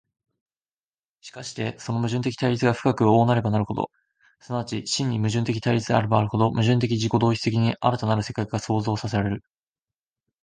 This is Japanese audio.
しかしてその矛盾的対立が深く大なればなるほど、即ち真に矛盾的対立であればあるほど、矛盾的自己同一的に新たなる世界が創造せられる。